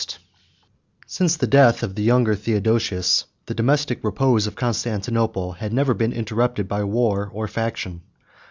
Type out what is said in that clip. ] Since the death of the younger Theodosius, the domestic repose of Constantinople had never been interrupted by war or faction.